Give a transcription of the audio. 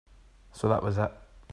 So that was it.